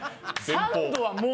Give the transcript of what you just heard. サンドがもう。